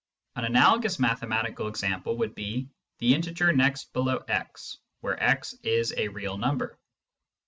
An analogous mathematical example would be " the integer next below x," where x is a real number.